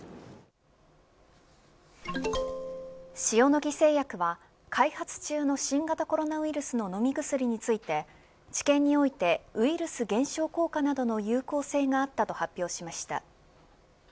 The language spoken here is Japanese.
塩野義製薬は開発中の新型コロナウイルスの飲み薬について治験においてウイルス減少効果などの有効性があったと発表しました。